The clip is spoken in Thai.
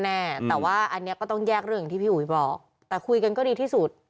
แน่แต่ว่าอันนี้ก็ต้องแยกเรื่องอย่างที่พี่อุ๋ยบอกแต่คุยกันก็ดีที่สุด